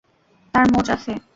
তার মোচ আছে।